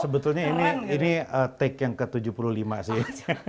sebetulnya ini take yang ke tujuh puluh lima sih